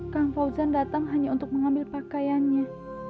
kang fauzan datang hanya untuk mengambil pakaiannya